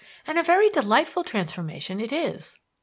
And a very delightful transformation it is."